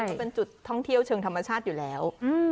ซึ่งเป็นจุดท่องเที่ยวเชิงธรรมชาติอยู่แล้ว